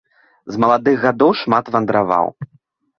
З маладых гадоў шмат вандраваў.